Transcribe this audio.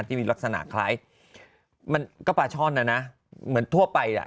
ที่มีลักษณะคล้ายมันก็ปลาช่อนนะนะเหมือนทั่วไปอ่ะ